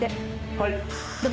はい。